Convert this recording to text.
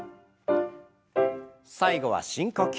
最後は深呼吸。